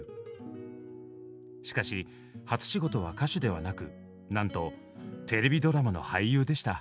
しかし初仕事は歌手ではなくなんとテレビドラマの俳優でした。